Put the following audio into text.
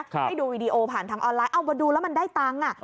ให้ดูวีดีโอผ่านทางออนไลน์เอามาดูแล้วมันได้ตังค์